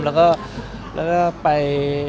แล้วก็ไป